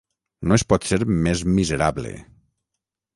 No es pot ser més miserable!